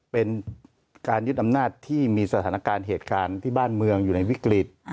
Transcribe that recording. เป็นการยึดอำนาจที่มีสถานการณ์เหตุการณ์ที่บ้านเมืองอยู่ในวิกฤต